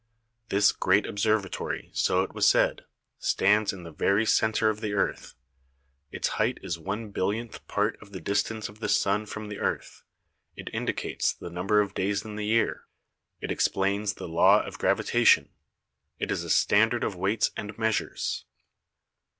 This great observa tory, so it was said, stands in the very centre of the earth ; its height is one billionth part of the distance of the sun from the earth; it indicates the number of days in the year; it explains the law of gravita tion ; it is a standard of weights and measures.